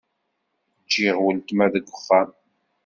Ǧgiɣ uletma deg uxxam.